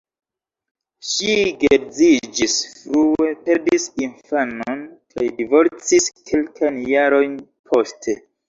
Ŝi geedziĝis frue, perdis infanon kaj divorcis kelkajn jarojn poste.